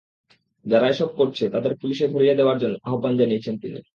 যারা এসব করছে, তাদের পুলিশে ধরিয়ে দেওয়ার জন্য আহ্বান জানিয়েছেন তিনি।